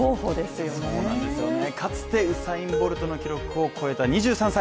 かつてウサイン・ボルトの記録を超えた２３歳。